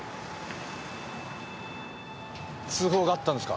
通報があったんですか？